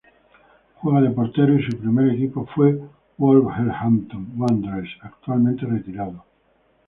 Juega de portero y su primer equipo fue Wolverhampton Wanderers, actualmente retirado.